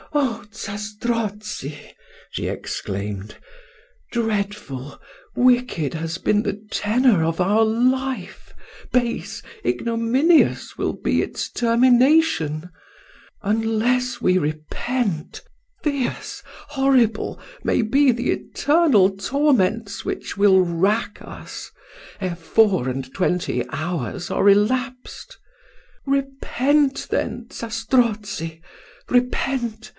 "Oh, Zastrozzi!" she exclaimed "dreadful, wicked has been the tenour of our life; base, ignominious, will be its termination: unless we repent, fierce, horrible, may be the eternal torments which will rack us, ere four and twenty hours are elapsed. Repent then, Zastrozzi; repent!